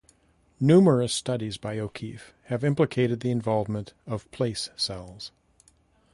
Numerous studies by O'Keefe have implicated the involvement of place cells.